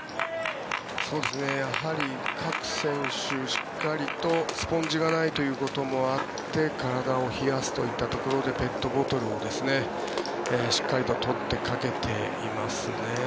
やはり各選手、しっかりとスポンジがないということもあって体を冷やすといったところでペットボトルをしっかりと取ってかけていますね。